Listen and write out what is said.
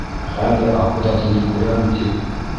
Хәҙер Аҡбуҙатымды күрәм, тип...